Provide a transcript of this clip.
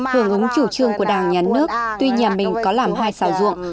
hưởng ứng chủ trương của đảng nhà nước tuy nhà mình có làm hai xào ruộng